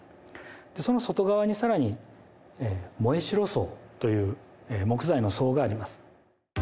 その外側にさらに、燃えしろ層という木材の層があります。